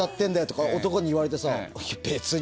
とか男に言われてさ。